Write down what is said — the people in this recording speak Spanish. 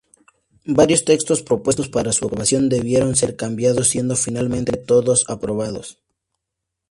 Varios textos propuestos para su aprobación debieron ser cambiados, siendo finalmente todos aprobados.